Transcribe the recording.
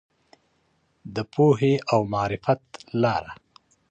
د پوهې او معرفت لاره.